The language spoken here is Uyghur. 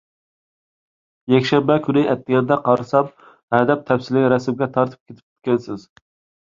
يەكشەنبە كۈنى ئەتىگەندە قارىسام، ھەدەپ تەپسىلىي رەسىمگە تارتىپ كېتىپتىكەنسىز.